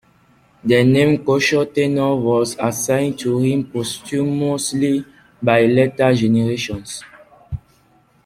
The name Kōshō"-tennō" was assigned to him posthumously by later generations.